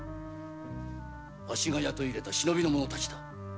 ワシが雇い入れた忍びの者たちだ。